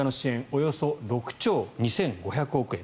およそ６兆２５００億円